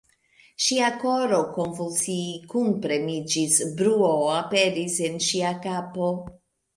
Ŝia koro konvulsie kunpremiĝis, bruo aperis en ŝia kapo.